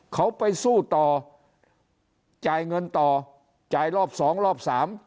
เขาไปสู้ต่อจ่ายเงินต่อจ่ายรอบสองรอบสาม